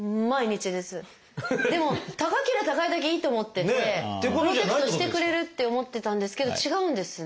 でも高けりゃ高いだけいいと思っててプロテクトしてくれるって思ってたんですけど違うんですね？